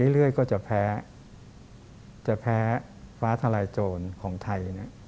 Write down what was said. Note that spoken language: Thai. เรื่อยก็จะแพ้จะแพ้ฟ้าทลายโจรของไทย